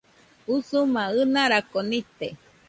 Usuma ɨnarako nite